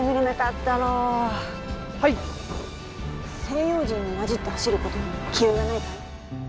西洋人に交じって走ることに気負いはないかい？